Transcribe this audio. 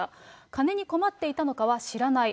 金に困っていたのかは知らない。